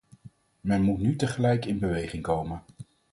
Men moet nu tegelijk in beweging komen.